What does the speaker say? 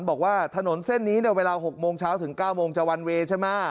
บอกว่าถนนเส้นนี้เวลา๖โมงเช้าถึง๙โมงจะวันเวย์ใช่ไหม